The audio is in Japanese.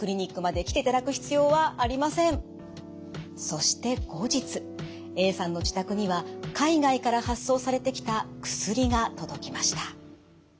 そして後日Ａさんの自宅には海外から発送されてきた薬が届きました。